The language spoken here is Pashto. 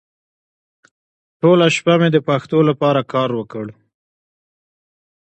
ټوله شپه مې د پښتو لپاره کار وکړ.